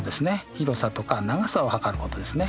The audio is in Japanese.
広さとか長さを測ることですね。